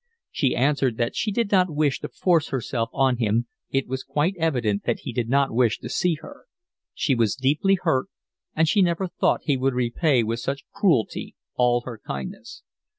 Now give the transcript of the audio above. She answered that she did not wish to force herself on him, it was quite evident that he did not wish to see her; she was deeply hurt, and she never thought he would repay with such cruelty all her kindness.